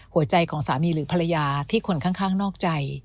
หัวใจของสามีหรือภรรยาที่คนข้างนอกใจ